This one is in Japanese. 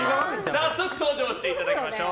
早速登場していただきましょう。